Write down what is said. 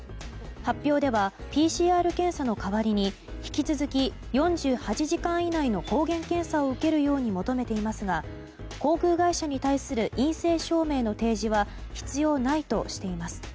発表では、ＰＣＲ検査の代わりに引き続き４８時間以内の抗原検査を受けるように求めていますが航空会社に対する陰性証明の提示は必要ないとしています。